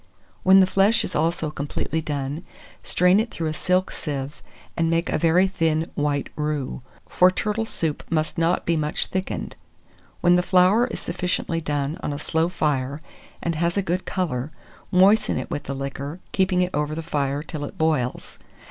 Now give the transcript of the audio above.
When the flesh is also completely done, strain it through a silk sieve, and make a very thin white roux; for turtle soup must not be much thickened. When the flour is sufficiently done on a slow fire, and has a good colour, moisten it with the liquor, keeping it over the fire till it boils.